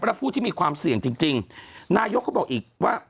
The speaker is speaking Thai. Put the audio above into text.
และผู้ที่มีความเสี่ยงจริงนายกเขาบอกอีกว่า